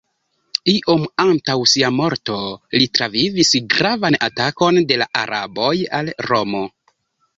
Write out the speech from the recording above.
Iom antaŭ sia morto, li travivis gravan atakon de la araboj al Romo.